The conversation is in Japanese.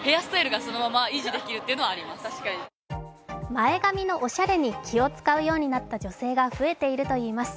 前髪のおしゃれに気を遣うようになった女性が増えているといいます。